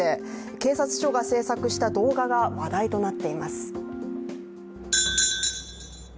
警察署が制作した動画が話題となっています。